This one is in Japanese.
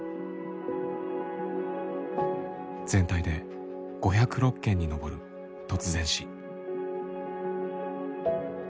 全体で５０６件に上る突然死。